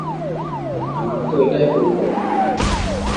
আমার তো এটাই পরিকল্পনা।